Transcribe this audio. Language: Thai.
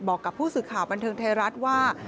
บอกกับผู้สื่อข่าวบันเทิงไทยรัฐว่า